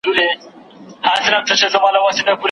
هر شاګرد باید د خپلې څېړني په لوړ ارزښت ښه پوه سي.